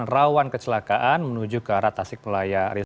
rawan kecelakaan menuju ke arah tasik malaya